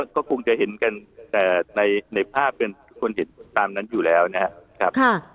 ก็คงจะเห็นกันแต่ในภาพเป็นคนเห็นตามนั้นอยู่แล้วนะครับ